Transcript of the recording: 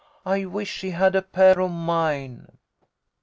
I wish she had a pair of mine."